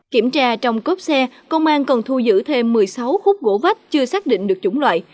kiểm tra trong cốp xe công an còn thu giữ thêm một mươi sáu khúc gỗ vách chưa xác định được chủng loại